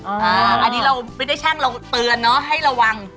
อันนี้เราไม่ได้ช่างเราเตือนเนอะให้ระวัง